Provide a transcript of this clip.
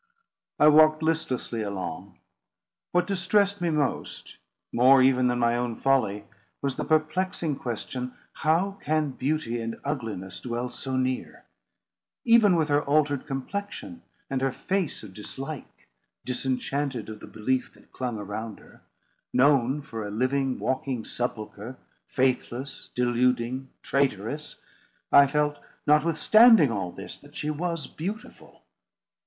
I walked listlessly along. What distressed me most—more even than my own folly—was the perplexing question, How can beauty and ugliness dwell so near? Even with her altered complexion and her face of dislike; disenchanted of the belief that clung around her; known for a living, walking sepulchre, faithless, deluding, traitorous; I felt notwithstanding all this, that she was beautiful.